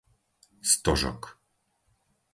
Stožok